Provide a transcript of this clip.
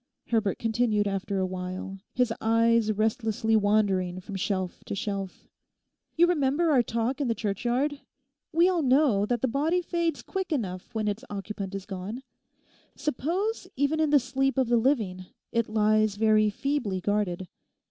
Herbert continued after a while, his eyes restlessly wandering from shelf to shelf. 'You remember our talk in the churchyard? We all know that the body fades quick enough when its occupant is gone. Supposing even in the sleep of the living it lies very feebly guarded.